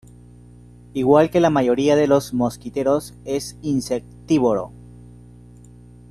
Igual que la mayoría de los mosquiteros es insectívoro.